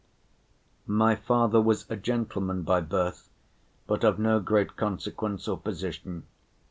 My father was a gentleman by birth, but of no great consequence or position.